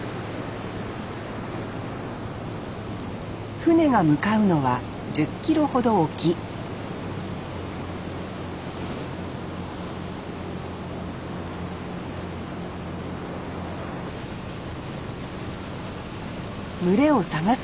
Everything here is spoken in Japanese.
船が向かうのは１０キロほど沖群れを探す